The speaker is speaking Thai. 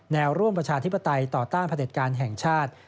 แนวร่วมประชาธิปไตยต่อต้านพระเด็จการแห่งชาติ